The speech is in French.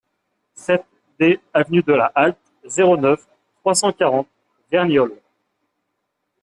sept D avenue de la Halte, zéro neuf, trois cent quarante, Verniolle